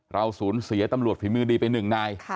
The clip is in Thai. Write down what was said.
เราสูญเสียตำรวจฝีมือดีไปหนึ่งนาย